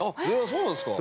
そうなんですか。